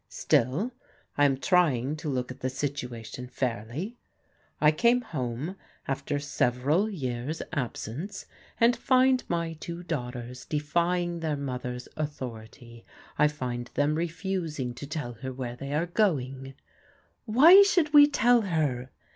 " Still I am trying to look at the situation fairly. I came home after several years' absence and find my two daughters defjdng their mother's authority. I find them refusing to tell her where they are going "*' Why should we tell her?